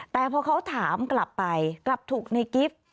แต่พอเขาถามกลับไปกลับถูกในกิฟต์